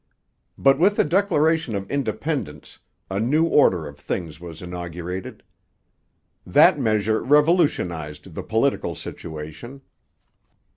But with the Declaration of Independence a new order of things was inaugurated. That measure revolutionized the political situation.